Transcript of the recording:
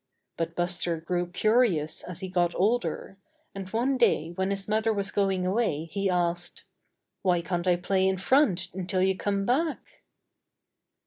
But Buster grew curious as he got older, and one day when his mother was going away he asked: '^Why can't I play in front until you come back?"